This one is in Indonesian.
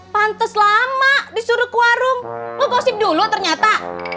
pantes lama disuruh ke warung kok gosip dulu ternyata